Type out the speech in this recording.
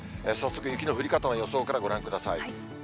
早速雪の降り方の予想からご覧ください。